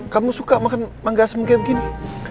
kamu suka makan mangga asem kayak gini